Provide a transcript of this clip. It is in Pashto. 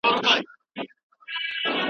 هغه د امن او ازادۍ توازن ساته.